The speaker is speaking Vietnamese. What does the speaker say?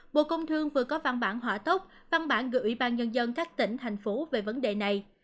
bộ công thương vừa có văn bản hỏa tốc văn bản gửi ủy ban nhân dân các tỉnh thành phố về vấn đề này